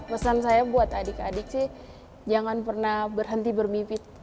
pesan saya buat adik adik sih jangan pernah berhenti bermimpi